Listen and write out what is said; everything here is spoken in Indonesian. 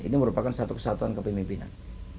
ini merupakan satu kesatuan kepemimpinan